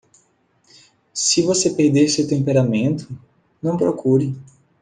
Se você perder seu temperamento,? não procure.